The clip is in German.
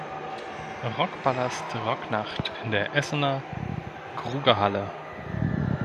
Rockpalast-Rocknacht in der Essener Grugahalle.